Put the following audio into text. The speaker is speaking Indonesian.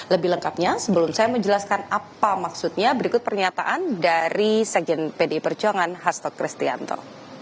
lebih lengkapnya sebelum saya menjelaskan apa maksudnya berikut pernyataan dari sekjen pdi perjuangan hasto kristianto